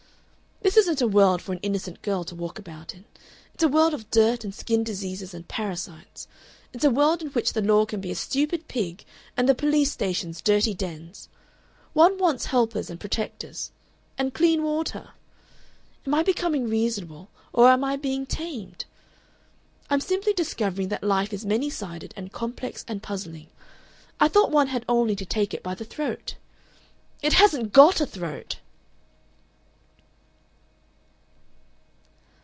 "This isn't a world for an innocent girl to walk about in. It's a world of dirt and skin diseases and parasites. It's a world in which the law can be a stupid pig and the police stations dirty dens. One wants helpers and protectors and clean water. "Am I becoming reasonable or am I being tamed? "I'm simply discovering that life is many sided and complex and puzzling. I thought one had only to take it by the throat. "It hasn't GOT a throat!"